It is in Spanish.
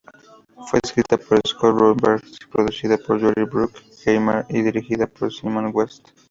Fue escrita por Scott Rosenberg, producida por Jerry Bruckheimer y dirigida por Simon West.